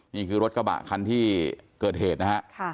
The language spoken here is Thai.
นี่คือรถกระบะคันที่เกิดเหตุนะฮะ